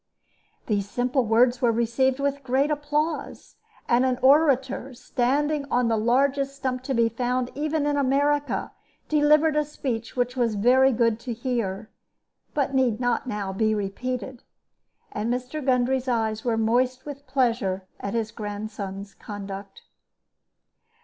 These simple words were received with great applause; and an orator, standing on the largest stump to be found even in America, delivered a speech which was very good to hear, but need not now be repeated. And Mr. Gundry's eyes were moist with pleasure at his grandson's conduct.